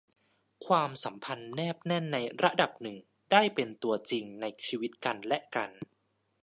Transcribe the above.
ความสัมพันธ์แนบแน่นในระดับหนึ่ง ได้เป็นตัวจริงในชีวิตกันและกัน